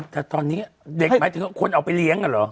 แต่ตอนนี้เด็กไหมควรเอาไปเลี้ยงกันเหรอ